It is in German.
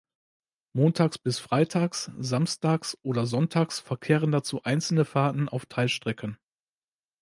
Montags bis freitags, Samstags oder Sonntags verkehren dazu einzelne Fahrten auf Teilstrecken.